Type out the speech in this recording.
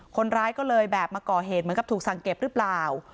คนร้ายก็เลยแบบมาก่อเหตุเหมือนกับถูกสั่งเก็บหรือเปล่า